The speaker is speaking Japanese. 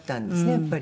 やっぱり。